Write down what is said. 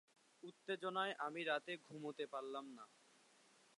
উত্তেজনায় আমি রাতে ঘুমুতে পারলাম না।